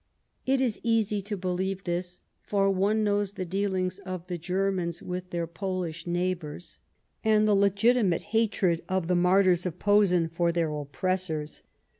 It is easy to beheve this, for one knows the deal ings of the Germans with their Polish neighbours, 202 Last Fights and the legitimate hatred of the martyrs of Posen for their oppressors.